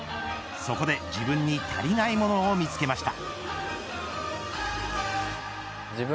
そこで自分に足りないものを見つけました。